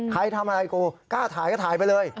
ใครทำอะไรกูกล้าถ่ายก็ถ่ายไปเลย